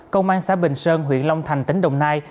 công an xã bình sơn huyện long thành tỉnh đồng nai